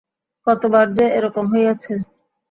কতবার যে এ রকম হইয়াছে।